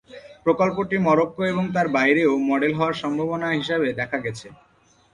প্রকল্পটি মরক্কো এবং তার বাইরেও মডেল হওয়ার সম্ভাবনা হিসাবে দেখা গেছে।